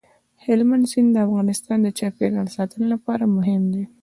هلمند سیند د افغانستان د چاپیریال ساتنې لپاره مهم دی.